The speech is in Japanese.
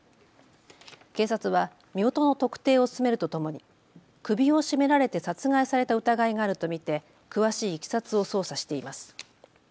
警察は身元の特定を進めるとともに首を絞められて殺害された疑いがあると見て詳しいいきさつを捜査しています。